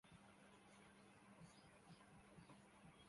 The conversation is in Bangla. পাকিস্তান নামটি জনপ্রিয়তা লাভ করে এবং পাকিস্তান আন্দোলনের সূচনা ঘটায়।